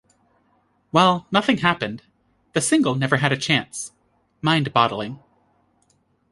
Well, nothing happened... the single never had a chance... mind bottling...